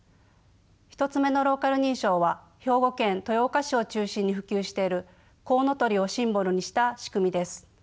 １つ目のローカル認証は兵庫県豊岡市を中心に普及しているコウノトリをシンボルにした仕組みです。